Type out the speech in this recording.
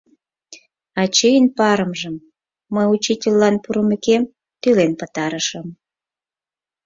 Ачийын парымжым мый учительлан пурымекем тӱлен пытарышым.